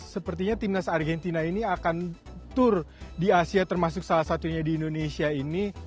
sepertinya timnas argentina ini akan tur di asia termasuk salah satunya di indonesia ini